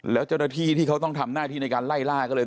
แล้วเจ้าหน้าที่ที่เขาต้องทำหน้าที่ในการไล่ล่าก็เลย